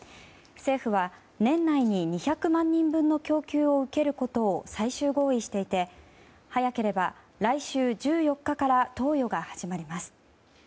政府は年内に２００万人分の供給を受けることを最終合意していて早ければ来週１４日から投与が始まります。